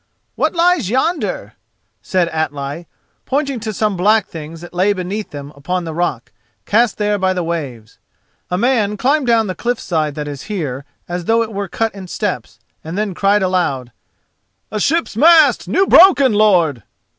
"What lies yonder?" said Atli, pointing to some black things that lay beneath them upon the rock, cast there by the waves. A man climbed down the cliff's side that is here as though it were cut in steps, and then cried aloud: "A ship's mast, new broken, lord."